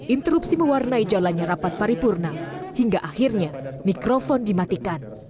interupsi mewarnai jalannya rapat paripurna hingga akhirnya mikrofon dimatikan